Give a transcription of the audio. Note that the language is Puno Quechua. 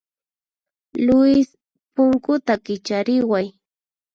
Luis, punkuta kichariway.